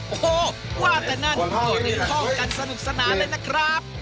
โอ้โหว่าแต่นั่นพ่อกันสนุกสนานเลยนะครับ